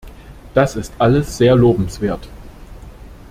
Das ist alles sehr lobenswert.